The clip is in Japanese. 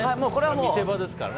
見せ場ですからね。